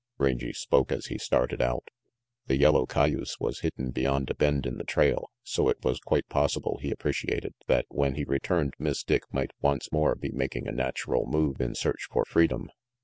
. Rangy spoke as he started out. The yellow cayuse was hidden beyond a bend in the trail, so it was quite possible, he appreciated, that when he returned, Miss Dick might once more be making a natural move in search for freedom.